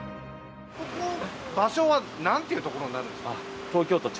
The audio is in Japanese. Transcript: ここ場所は何ていうところになるんですか？